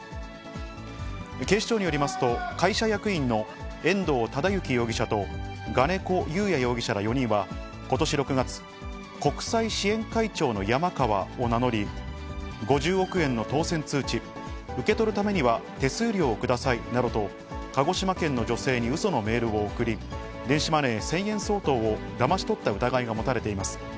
警視庁によりますと、会社役員の遠藤忠幸容疑者と、我如古祐弥容疑者ら４人は、ことし６月、国際支援会長の山川を名乗り、５０億円の当せん通知、受け取るためには手数料をくださいなどと鹿児島県の女性にうそのメールを送り、電子マネー１０００円相当をだまし取った疑いが持たれています。